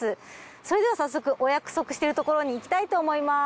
それでは早速お約束してるところに行きたいと思います。